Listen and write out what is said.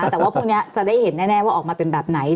แต่ว่าพรุ่งนี้จะได้เห็นแน่ว่าออกมาเป็นแบบไหน